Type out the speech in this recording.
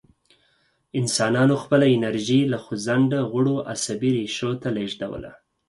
انسانانو خپله انرژي له خوځنده غړو عصبي ریښو ته لېږدوله.